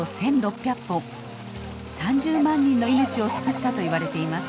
３０万人の命を救ったといわれています。